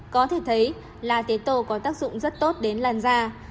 có thể thấy lá tế tô có tác dụng rất tốt đến làn da